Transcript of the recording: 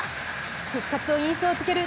復活を印象づける